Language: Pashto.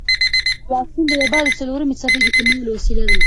واکسن د وبا د څلورمې څپې د کمولو وسیله ده.